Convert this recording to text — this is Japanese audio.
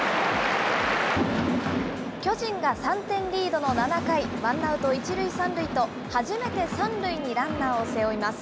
巨人が３点リードの７回、ワンアウト１塁３塁と、初めて３塁にランナーを背負います。